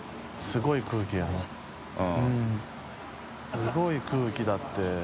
すごい空気だって。